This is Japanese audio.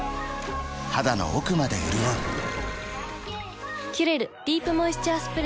肌の奥まで潤う「キュレルディープモイスチャースプレー」